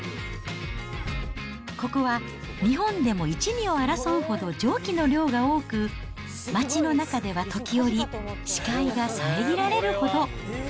ここは日本でもいちにを争う蒸気の量が多く、町の中では時折、視界が遮られるほど。